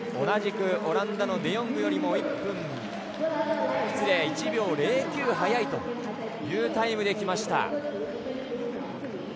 同じくオランダのデヨングよりも１秒０９速いというタイムできました。